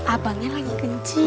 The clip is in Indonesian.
abangnya lagi kencing